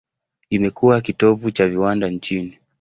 Imekuwa kitovu cha viwanda nchini.